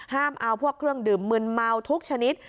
เอาพวกเครื่องดื่มมึนเมาทุกชนิด